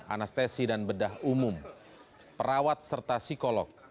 anestesi dan bedah umum perawat serta psikolog